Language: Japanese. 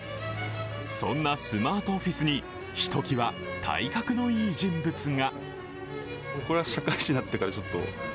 そんなスマートオフィスにひときわ体格のいい人物が。